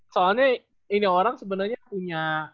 soalnya ini orang sebenarnya punya